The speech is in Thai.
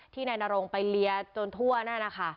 นายนรงไปเลียจนทั่วนั่นนะคะ